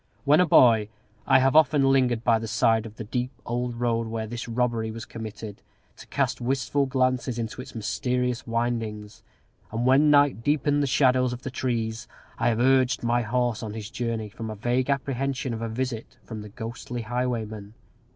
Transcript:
When a boy, I have often lingered by the side of the deep old road where this robbery was committed, to cast wistful glances into its mysterious windings; and when night deepened the shadows of the trees, have urged my horse on his journey, from a vague apprehension of a visit from the ghostly highwayman.